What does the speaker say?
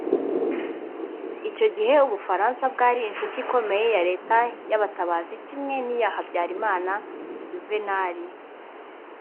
Icyo gihe u Bufaransa bwari inshuti ikomeye ya Leta y’Abatabazi kimwe n’iya Habyarimana Yuvenali